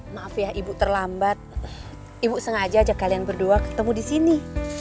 maaf ya ibu terlambat ibu sengaja ajak kalian berdua ketemu di sini